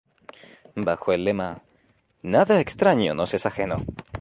Bajo el lema: "¡Nada extraño nos es ajeno!